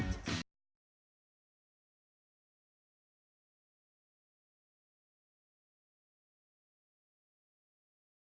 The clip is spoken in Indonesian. terima kasih banyak